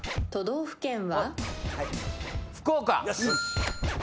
都道府県は？